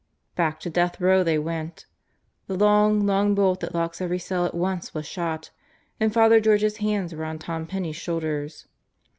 Back to Death Row they went. The long, long bolt, that locks every cell at once, was shot, and Father George's hands were on Tom Penney's shoulders.